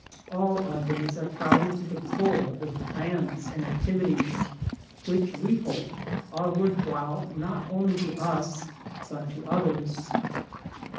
All our days are crowded to the full with plans and activities which, we hope, are worth while not only to us, but to others.